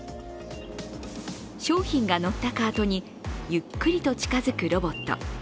商品が載ったカートにゆっくりと近づくロボット。